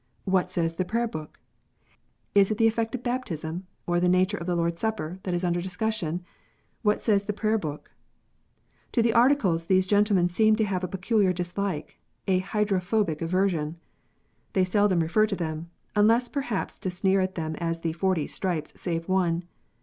What says the Prayer book ? Is it the effect of baptism, or the nature of the Lord s Supper, that is under discussion 1 "What says the Prayer book ? To the Articles these gentlemen seem to have a peculiar dislike, an hydrophobia aversion. They seldom refer to them, unless perhaps to sneer at them as the " forty stripes save one."